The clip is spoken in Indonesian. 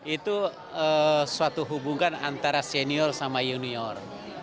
itu suatu hubungan antara senior sama junior